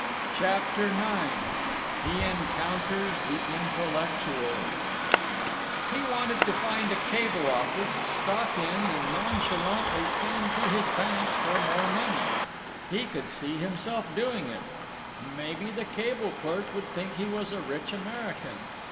CHAPTER IX HE ENCOUNTERS THE INTELLECTUALS He wanted to find a cable office, stalk in, and nonchalantly send to his bank for more money. He could see himself doing it. Maybe the cable clerk would think he was a rich American.